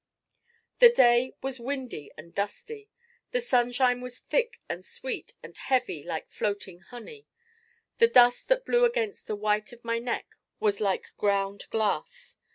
The day was windy and dusty. The sunshine was thick and sweet and heavy like floating honey. The dust that blew against the white of my neck was like ground glass.